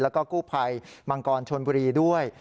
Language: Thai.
แล้วก็กู้ภัยมังกรชนบุรีด้วย